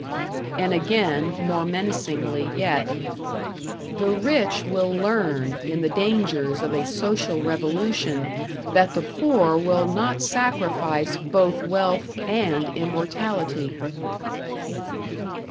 And again, more menacingly yet: The rich will learn in the dangers of a social revolution that the poor will not sacrifice both wealth and immortality.